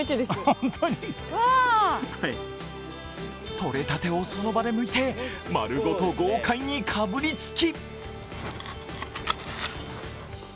とれたてをその場でむいて丸ごと豪快にかぶりつき。